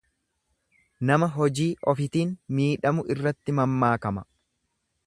Nama hojii ofitin miidhamu irratti mammaakama.